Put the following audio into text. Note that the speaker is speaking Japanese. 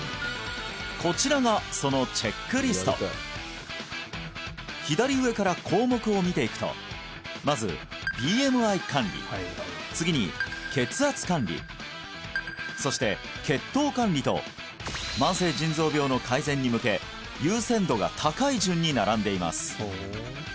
こちらがその左上から項目を見ていくとまずＢＭＩ管理次に血圧管理そして血糖管理と慢性腎臓病の改善に向け優先度が高い順に並んでいます